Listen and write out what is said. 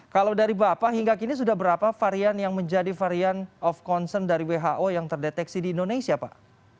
kalau dari bapak hingga kini sudah berapa varian yang menjadi varian of concern dari who yang terdeteksi di indonesia pak